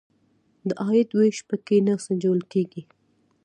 د عاید وېش په کې نه سنجول کیږي.